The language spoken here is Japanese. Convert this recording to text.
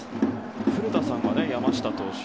古田さんは山下投手